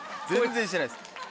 全然してないです。